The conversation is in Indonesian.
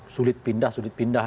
sulit pindah sulit pindah